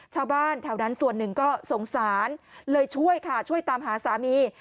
ชาวบ้านแถวนั้นส่วนหนึ่งก็สงสารเลยช่วยค่ะช่วยตามหาสามี